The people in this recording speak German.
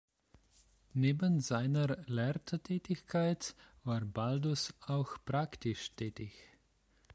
Neben seiner Lehrtätigkeit war Baldus auch praktisch tätig.